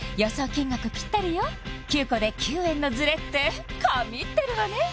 金額ぴったりよ９個で９円のズレって神ってるわね